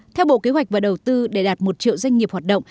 theo bộ kế hoạch và đầu tư để đạt một triệu doanh nghiệp hoạt động